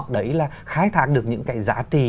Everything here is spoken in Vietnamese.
đấy là khai thác được những giá trị